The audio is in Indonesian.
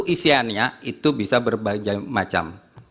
isiannya itu bisa berbagai macam